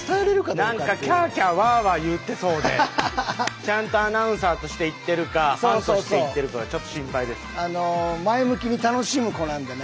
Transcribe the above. なんか、キャーキャーワーワー言ってそうで、ちゃんとアナウンサーとして行ってるかファンとして行ってるかが前向きに楽しむ子なんでね。